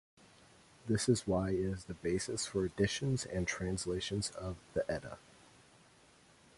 This is why it is the basis for editions and translations of the Edda.